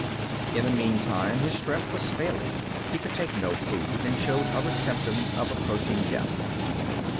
In the meantime his strength was failing. He could take no food, and showed other symptoms of approaching death.